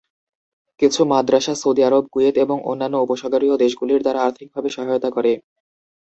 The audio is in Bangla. কিছু মাদ্রাসা সৌদি আরব, কুয়েত এবং অন্যান্য উপসাগরীয় দেশগুলির দ্বারা আর্থিকভাবে সহায়তা করে।